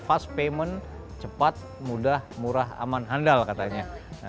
fast payment cepat mudah murah aman handal katanya